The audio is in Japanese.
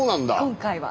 今回は。